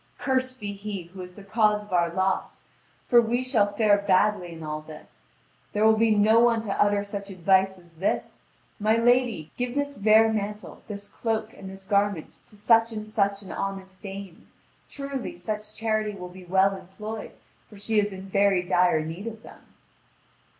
Cursed be he who is the cause of our loss! For we shall fare badly in all this. There will be no one to utter such advice as this: 'My lady, give this vair mantle, this cloak, and this garment to such and such an honest dame! Truly, such charity will be well employed, for she is in very dire need of them.'